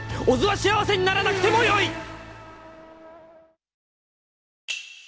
［小津は幸せにならなくてもよい！！］